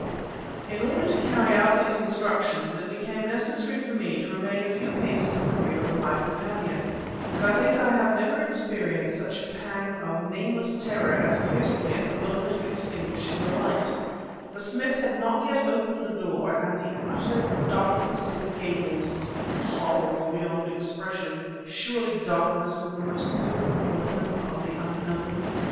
In order to carry out these instructions, it became necessary for me to remain a few paces in the rear of my companion, and I think I have never experienced such a pang of nameless terror as pierced me at the moment of extinguishing the light; for Smith had not yet opened the door, and the utter darkness of the Gables was horrible beyond expression. Surely darkness is the most potent weapon of the Unknown.